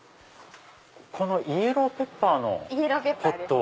このイエローペッパーのポットを。